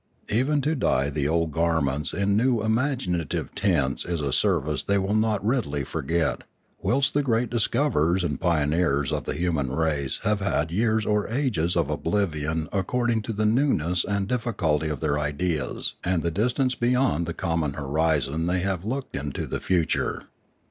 Even to dye the old garments in new imaginative tints is a service they will not readily forget; whilst the great discoverers and pioneers of the human race have had years or ages of oblivion according to the newness and difficulty of their ideas and the distance beyond the 616 Limanora common horizon they have looked into the future.